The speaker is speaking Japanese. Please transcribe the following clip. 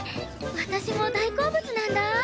私も大好物なんだ。